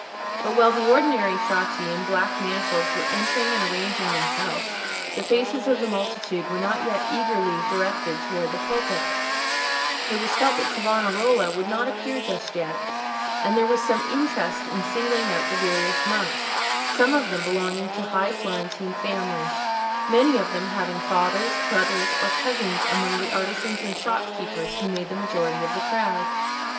But while the ordinary Frati in black mantles were entering and arranging themselves, the faces of the multitude were not yet eagerly directed towards the pulpit: it was felt that Savonarola would not appear just yet, and there was some interest in singling out the various monks, some of them belonging to high Florentine families, many of them having fathers, brothers, or cousins among the artisans and shopkeepers who made the majority of the crowd.